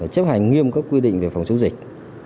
chấp hành nghiêm các quy định về phòng chống dịch